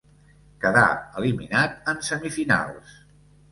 Quedà eliminat en semifinals.